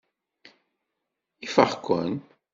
Ifeɣ-ken.